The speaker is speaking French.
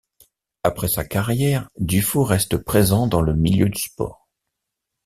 Après sa carrière, Dufaux reste présent dans le milieu du sport.